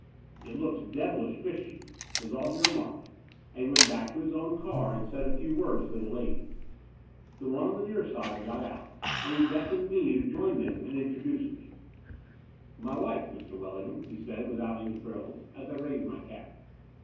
"It looks devilish fishy," was all he remarked; and he went back to his own car and said a few words to the ladies. The one on the near side got out; and he beckoned me to join them and intro duced me. 30 The Door of the Unreal "My wife, Mr. Wellingham," he said without any frills, as I raised my cap.